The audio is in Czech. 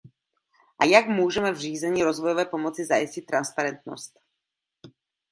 A jak můžeme v řízení rozvojové pomoci zajistit transparentnost?